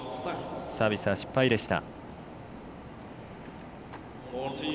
サービスは失敗でした。